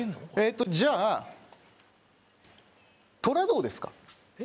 じゃあ、トラどうですか？